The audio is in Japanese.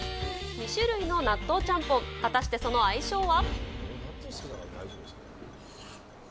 ２種類の納豆ちゃんぽん、果たしてその相性は？